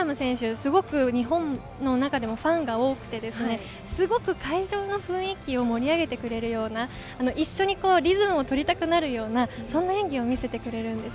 すごく日本の中でもファンが多くて会場の雰囲気を盛り上げてくれるような一緒にリズムをとりたくなるような、そんな演技を見せてくれるんです。